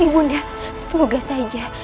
ibu nda semoga saja